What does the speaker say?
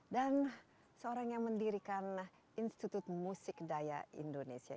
dan seorang yang mendirikan institut musik daya indonesia